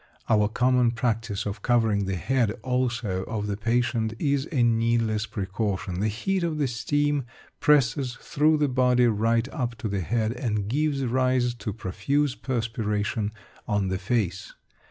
Our common practice of covering the head also of the patient is a needless precaution. The heat of the steam presses through the body right up to the head, and gives rise to profuse perspiration on the face.